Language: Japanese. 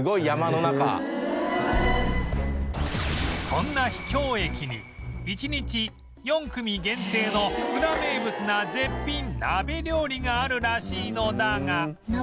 そんな秘境駅に１日４組限定のウラ名物な絶品鍋料理があるらしいのだが